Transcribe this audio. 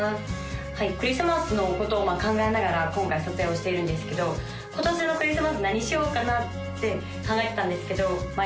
クリスマスのことを考えながら今回撮影をしているんですけど今年のクリスマス何しようかなって考えてたんですけどまあ